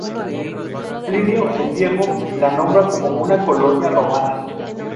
Plinio el Viejo la nombra como una colonia romana.